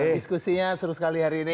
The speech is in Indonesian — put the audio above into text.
diskusinya seru sekali hari ini